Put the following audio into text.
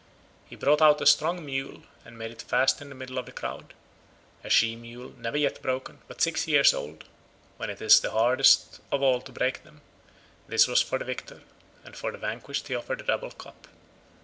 He brought out a strong mule, and made it fast in the middle of the crowd—a she mule never yet broken, but six years old—when it is hardest of all to break them: this was for the victor, and for the vanquished he offered a double cup.